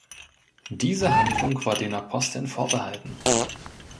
Diese Handlung war den Aposteln vorbehalten.